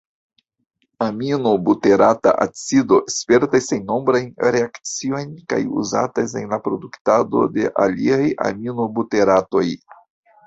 Aminobuterata acido spertas sennombrajn reakciojn kaj uzatas en la produktado de aliaj aminobuteratoj.